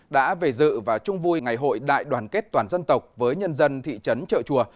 đã về dự và chung vui ngày hội đại đoàn kết toàn dân tộc với nhân dân thị trấn trợ chùa